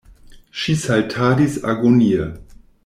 Ŝi saltadis agonie.